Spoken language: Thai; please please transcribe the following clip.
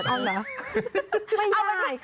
ไม่ได้ค่ะ